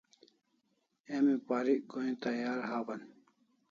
Emi parik go'in tayar hawan